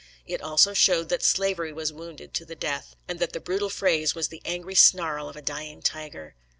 It also showed that slavery was wounded to the death, and that the brutal phrase was the angry snarl of a dying tiger.